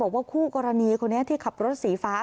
ว่าคู่กรณีคนนี้ที่ขับรถสีฟ้า